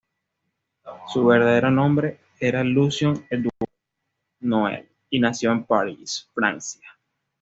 Su verdadero nombre era Lucien Édouard Noël, y nació en París, Francia.